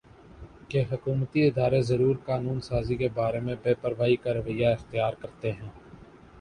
کہ حکومتی ادارے ضروری قانون سازی کے بارے میں بے پروائی کا رویہ اختیار کرتے ہیں